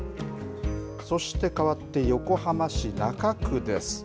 そしてかわって横浜市中区です。